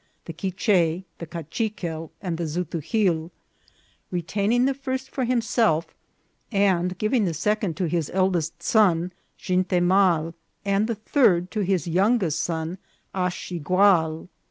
the Quiche, the Kachiquel, and the Zutugil, retaining the first for himself, and giving the second to his eldest son Jintemal, and the third to his youngest son Acxigual.